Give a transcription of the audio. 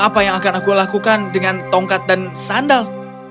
apa yang akan aku lakukan dengan tongkat dan sandal